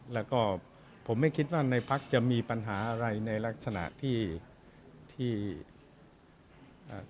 แล้วก็ผมไม่คิดว่าในพักษณ์จะมีปัญหาอะไรในลักษณะที่ทำให้พักษณ์ไม่สามารถถามนะครับ